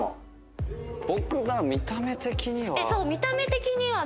僕見た目的には。